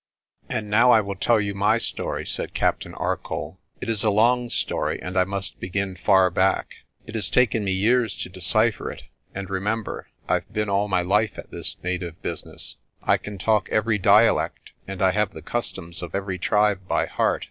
"And now I will tell you my story," said Captain Arcoll. "It is a long story, and I must begin far back. It has taken me years to decipher it, and, remember, I've been all my life at this native business. I can talk every dialect, and I have the customs of every tribe by heart.